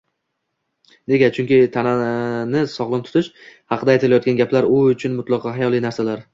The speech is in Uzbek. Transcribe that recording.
Nega? Chunki tanani sog‘lom tutish haqida aytilayotgan gaplar u uchun mutlaqo xayoliy narsalar